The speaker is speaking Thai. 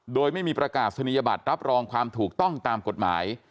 โดยไม่มีประกาศนียบัตรรับรองความถูกต้องตามกฎหมาย